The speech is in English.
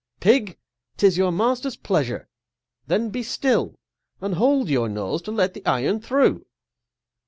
Pig! 'tis your master's pleasureâthen be still, And hold your nose to let the iron through!